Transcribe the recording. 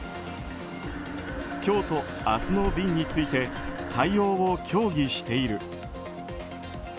今日と明日の便について対応を協議している。